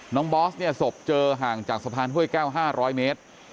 บอสเนี่ยศพเจอห่างจากสะพานห้วยแก้ว๕๐๐เมตร